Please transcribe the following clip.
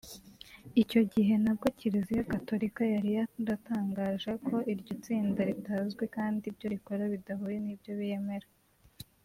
Icyo gihe nabwo Kiliziya gatolika yari yaratangaje ko iryo tsinda ritazwi kandi ibyo rikora bidahuye n’ibyo yemera